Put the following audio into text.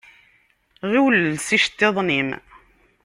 Ɣiwel els iceṭṭiḍen-im.